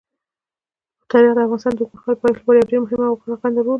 تاریخ د افغانستان د اوږدمهاله پایښت لپاره یو مهم او رغنده رول لري.